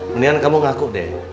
mendingan kamu ngaku deh